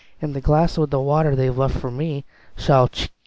And the glass with the water they've left for me Shall 'tchick!'